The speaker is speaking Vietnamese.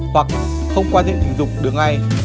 hoặc không quan hệ tình dục đưa ngay